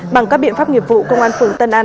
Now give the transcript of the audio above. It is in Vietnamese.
bằng các biện pháp nghiệp vụ công an phường tân an